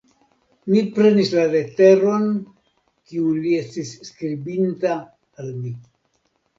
Mi prenis la leteron, kiun li estis skribinta al mi.